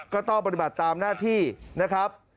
ก็ต้องปฏิบัติตามหน้าที่นะครับ